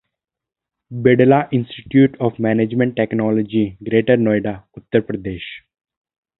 Birla Institute of Management Technology, Greater Noida, Uttar Pradesh